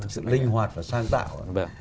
sự linh hoạt và sáng tạo